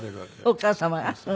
お母様が？